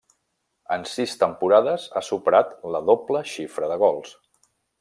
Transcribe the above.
En sis temporades ha superat la doble xifra de gols.